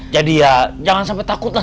jadi ya jangan sampai takut lah